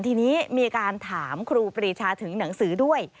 ทีนี้มีการถามครูปรีชาถึงหนังสือด้วย